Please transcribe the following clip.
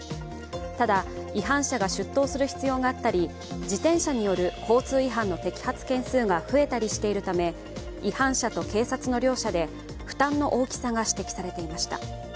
ただ、違反者が出頭する必要があったり自転車による交通違反の摘発件数が増えたりしているため違反者と警察の両者で負担の大きさが指摘されていました。